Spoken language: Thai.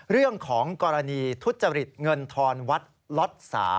เรื่องของกรณีทุจริตเงินทอนวัดล็อต๓